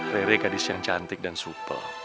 rere gadis yang cantik dan supel